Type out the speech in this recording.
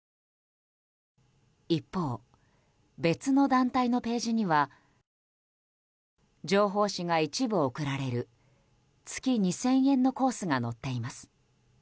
一方、別の団体のページには情報誌が１部送られる月２０００円のコースが載っています。